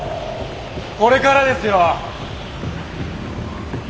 これからですよッ！